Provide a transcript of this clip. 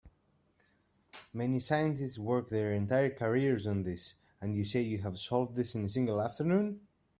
Many scientists work their entire careers on this, and you say you have solved this in a single afternoon?